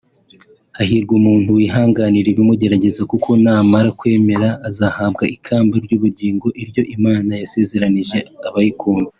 Hahirwa umuntu wihanganira ibimugerageza kuko namara kwemerwa azahabwa ikamba ry’ubugingo iryo Imana yasezeranije abayikunda